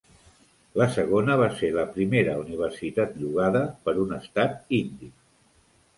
La segona va ser la primera universitat llogada per un Estat indi.